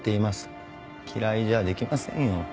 嫌いじゃできませんよ。